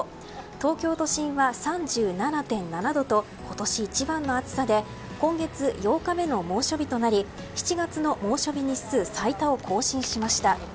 東京都心は３７．７度と今年一番の暑さで今月８日目の猛暑日となり７月の猛暑日日数の最多を更新しました。